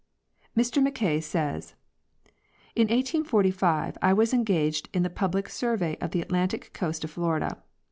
Mr Mackay says: In 1845 I was engaged in the public survey on the Atlantic coast of Florida.